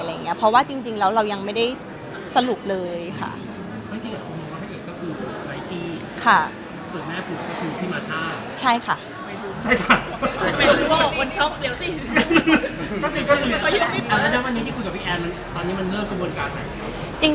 แล้วทำไมกับวันนี้ที่คุยกับพี่แอร์ตอนนี้ด้วยมันเริ่มกระบวนการต่างแบบไหน